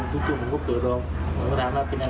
พี่ตื่นผมก็เปิดลองผมก็ถามว่าเป็นอะไร